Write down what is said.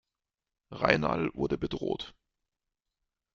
Raynal wurde bedroht.